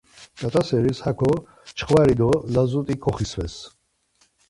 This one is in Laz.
Kat̆a seris haǩo çxvari do lazut̆i koxisves.